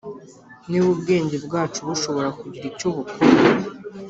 Niba ubwenge bwacu bushobora kugira icyo bukora,